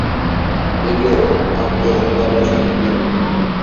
Ne diyordum, attığı oklar boşa gitmiyordu.